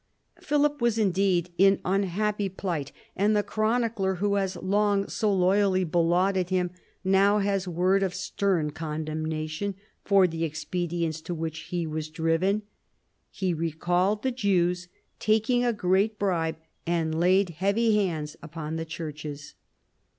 Philip was indeed in unhappy plight, and the chronicler who has long so loyally belauded him now has word of stern condemnation for the expedients to which he was driven. He recalled the Jews, taking a great bribe, and laid heavy hands upon the churches.